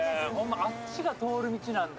あっちが通る道なんだ。